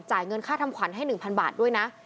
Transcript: เงินค่าทำขวัญให้๑๐๐บาทด้วยนะ